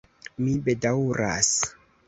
Mi bedaŭras.